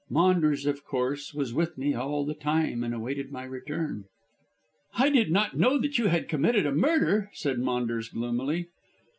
Maunders, of course, was with me all the time, and awaited my return." "I did not know that you had committed a murder," said Maunders gloomily.